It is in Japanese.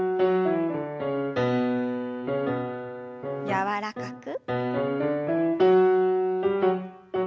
柔らかく。